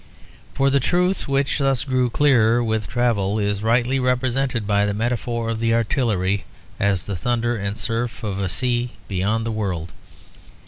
For the truth which thus grew clearer with travel is rightly represented by the metaphor of the artillery, as the thunder and surf of a sea beyond the world.